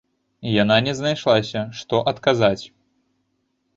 Яна не знайшлася, што адказаць.